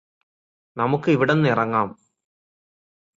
നമുക്ക് ഇവിടന്നു ഇറങ്ങാം